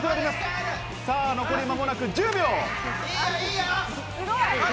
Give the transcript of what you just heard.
残り間もなく１０秒。